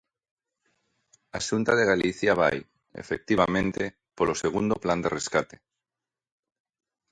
A Xunta de Galicia vai, efectivamente, polo segundo plan de rescate.